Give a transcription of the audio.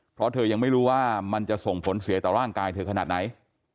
เพราะเธอยังไม่รู้ว่ามันจะส่งผลเสียต่อร่างกายเธอขนาดไหน